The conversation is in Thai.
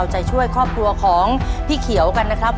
ใจช่วยครอบครัวของพี่เขียวกันนะครับ